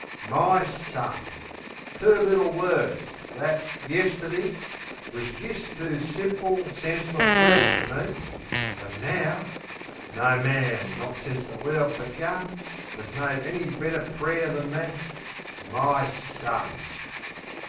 My son! Two little words, that, yesterdee, Wus jist two simple, senseless words to me; An' now no man, not since the world begun, Made any better pray'r than that....My son!